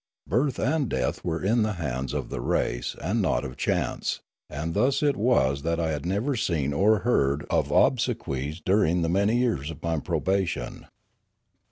Birth and death were in the hands of the race and not of chance, and thus it was that I had never seen or heard of obsequies during the many years of my probation.